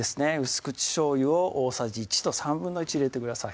薄口しょうゆを大さじ１と１／３入れてください